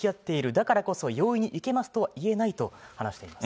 だからこそ容易にいけますとは言えないと話しています。